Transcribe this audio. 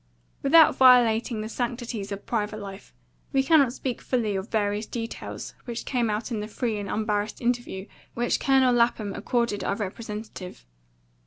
Without violating the sanctities of private life, we cannot speak fully of various details which came out in the free and unembarrassed interview which Colonel Lapham accorded our representative.